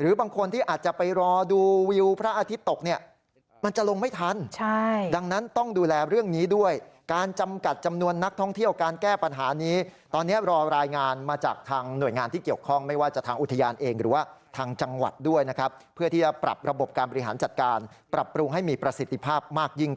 หรือบางคนที่อาจจะไปรอดูวิวพระอาทิตย์ตกเนี่ยมันจะลงไม่ทันดังนั้นต้องดูแลเรื่องนี้ด้วยการจำกัดจำนวนนักท่องเที่ยวการแก้ปัญหานี้ตอนนี้รอรายงานมาจากทางหน่วยงานที่เกี่ยวข้องไม่ว่าจะทางอุทยานเองหรือว่าทางจังหวัดด้วยนะครับเพื่อที่จะปรับระบบการบริหารจัดการปรับปรุงให้มีประสิทธิภาพมากยิ่ง